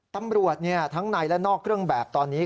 ตำรวจทั้งในและนอกเครื่องแบบตอนนี้